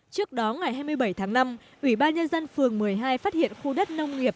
trước đó ngày hai mươi bảy tháng năm ủy ban nhân dân phường một mươi hai phát hiện khu đất nông nghiệp